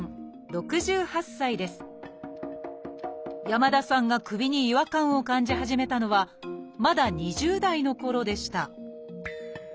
山田さんが首に違和感を感じ始めたのはまだ２０代のころでした